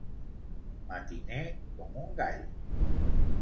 Matiner com un gall.